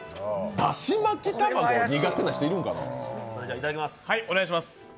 だし巻き卵苦手な人いるんかな？